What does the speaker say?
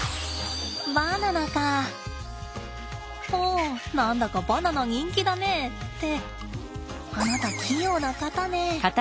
お何だかバナナ人気だねってあなた器用な方ね。